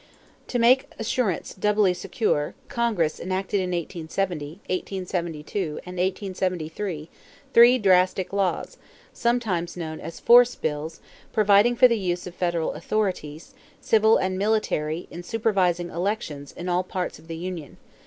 To make assurance doubly secure, Congress enacted in 1870, 1872, and 1873 three drastic laws, sometimes known as "force bills," providing for the use of federal authorities, civil and military, in supervising elections in all parts of the Union.